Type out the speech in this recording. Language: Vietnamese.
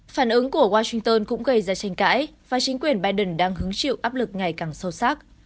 phản ứng của washington cũng gây ra tranh cãi và chính quyền biden đang hứng chịu áp lực ngày càng sâu sắc